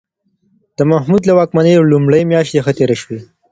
د محمود د واکمنۍ لومړۍ میاشتې ښه تېرې شوې.